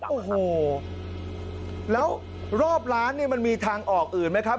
โอ้โหแล้วรอบร้านเนี่ยมันมีทางออกอื่นไหมครับ